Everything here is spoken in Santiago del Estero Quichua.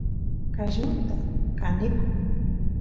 qallunta kanikun